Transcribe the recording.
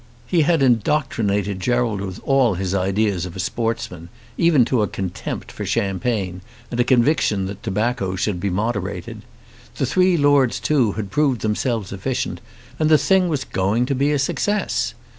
He had indoctrinated Gerald with all his ideas of a sportsman, even to a contempt for champagne and a conviction that tobacco should be moderated. The three lords too had proved themselves efficient, and the thing was going to be a success.